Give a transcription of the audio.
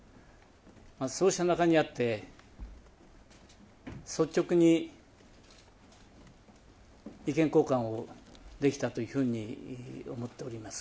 そうした中にあって率直に意見交換をできたというふうに思っております。